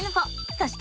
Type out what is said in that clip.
そして。